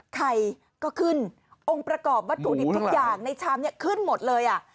ไข่ก็ขึ้นองค์ประกอบวัตถุดิบทุกอย่างในชามนี้ขึ้นหมดเลยอ่ะ